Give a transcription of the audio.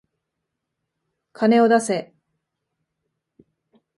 金を出せ。